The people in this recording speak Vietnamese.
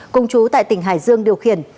công chú tại tỉnh hải dương điều khiển